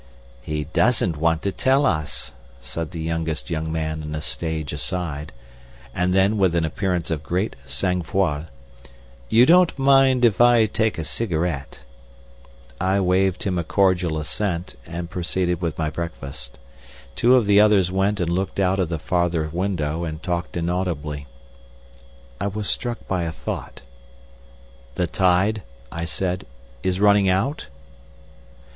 "He doesn't want to tell us," said the youngest young man in a stage aside; and then, with an appearance of great sang froid, "You don't mind if I take a cigarette?" I waved him a cordial assent, and proceeded with my breakfast. Two of the others went and looked out of the farther window and talked inaudibly. I was struck by a thought. "The tide," I said, "is running out?"